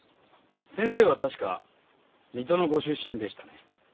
先生は確か水戸のご出身でしたね。